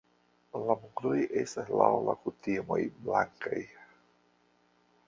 La muroj estas laŭ la kutimoj blankaj.